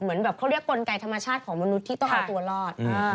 เหมือนแบบเขาเรียกกลไกธรรมชาติของมนุษย์ที่ต้องเอาตัวรอด